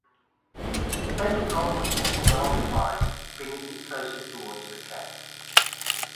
The pantograph well was also revised, bringing it closer towards the cab.